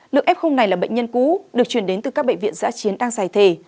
lượng f này là bệnh nhân cũ được chuyển đến từ các bệnh viện giã chiến đang giải thể